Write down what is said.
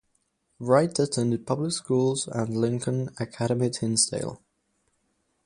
Wright attended public schools and Lincoln Academy at Hinsdale.